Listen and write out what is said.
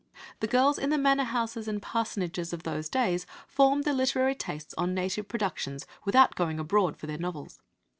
The girls in the manor houses and parsonages of those days formed their literary tastes on native productions without going abroad for their novels.